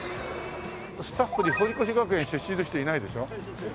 スタッフに堀越学園出身の人いないでしょ？